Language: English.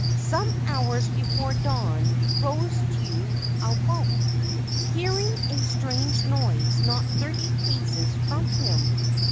Some hours before dawn Rosetsu awoke, hearing a strange noise not thirty paces from him.